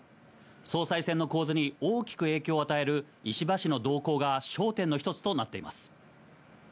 総裁選の構図に大きく影響を与える石破氏の動向が焦点の一つとなっています。